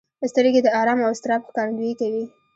سترګې د ارام او اضطراب ښکارندويي کوي